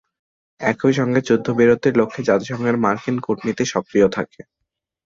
একই সঙ্গে যুদ্ধবিরতির লক্ষ্যে জাতিসংঘের মার্কিন কূটনীতি সক্রিয় থাকে।